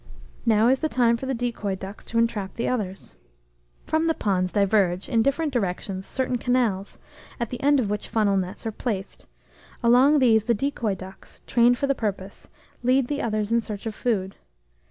Now is the time for the decoy ducks to entrap the others. From the ponds diverge, in different directions, certain canals, at the end of which funnel nets are placed; along these the decoy ducks, trained for the purpose, lead the others in search of food.